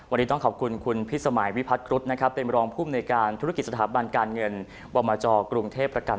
วันนี้ต้องขอบคุณคุณพี่สมัยวิพัทย์กรุฑต์เป็นมารองผู้เมือง